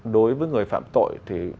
đối với người phạm tội